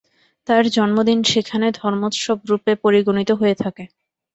তাঁর জন্মদিন সেখানে ধর্মোৎসব-রূপে পরিগণিত হয়ে থাকে।